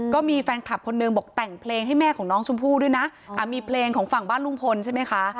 ก็มีแฟนคลับคนหนึ่งบอกแต่งเพลงให้แม่ของน้องชมพู่ด้วยนะมีเพลงของฝั่งบ้านลุงพลใช่ไหมคะ